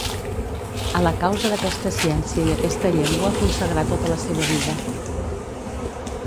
A la causa d'aquesta ciència i aquesta llengua consagrà tota la seva vida.